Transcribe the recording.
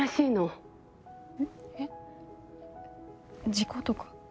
事故とか？